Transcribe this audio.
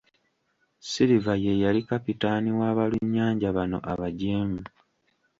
Silver ye yali Kapitaani w'abalunnyanja bano abajeemu.